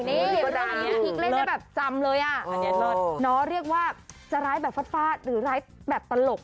เรื่องนี้พี่กิ๊กเล่นได้แบบจำเลยเรียกว่าจะร้ายแบบฟาดหรือร้ายแบบตลก